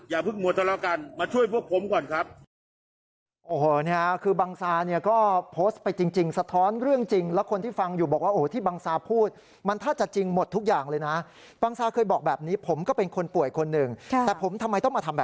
อย่าเพิ่งมัวจนแล้วกันมาช่วยพวกผมก่อนครับ